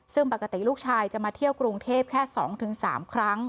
ซึ่งปกติลูกชายจะมาเที่ยวกรุงเทพแค่๒๓ครั้ง